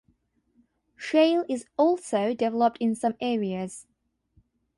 Shale is also developed in some areas.